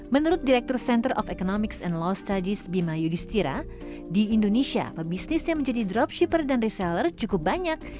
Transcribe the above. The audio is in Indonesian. menurut direktur center of economics and law studies bima yudhistira di indonesia pebisnisnya menjadi dropshipper dan reseller cukup banyak